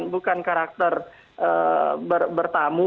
bukan karakter bertamu